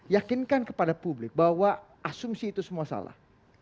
yakinkan kepada publik bahwa asumsi itu semua salah